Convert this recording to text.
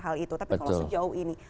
hal itu tapi kalau sejauh ini